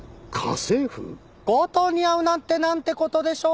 強盗に遭うなんてなんて事でしょう。